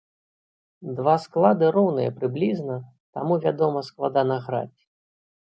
Два склады роўныя прыблізна, таму, вядома, складана граць.